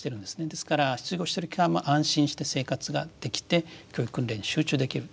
ですから失業してる期間も安心して生活ができて教育訓練に集中できる。